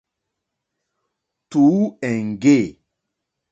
Tǔ èŋɡê.